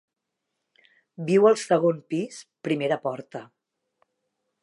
Viu al segon pis, primera porta.